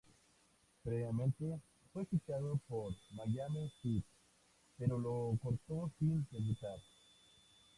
Previamente fue fichado por Miami Heat pero lo cortó sin debutar.